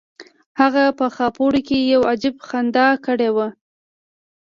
هغه په خاپوړو کې یو عجیب خندا کړې وه